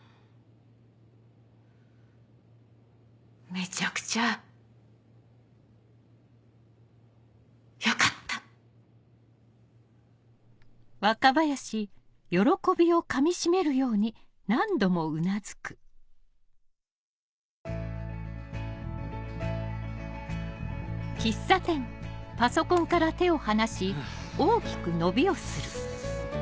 めちゃくちゃよかったふぅ。